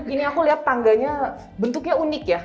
ini aku lihat tangganya bentuknya unik ya